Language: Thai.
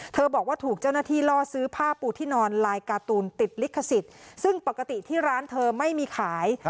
บอกว่าถูกเจ้าหน้าที่ล่อซื้อผ้าปูที่นอนลายการ์ตูนติดลิขสิทธิ์ซึ่งปกติที่ร้านเธอไม่มีขาย